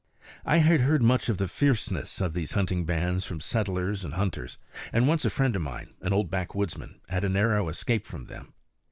I had heard much of the fierceness of these hunting bands from settlers and hunters; and once a friend of mine, an old backwoodsman, had a narrow escape from them.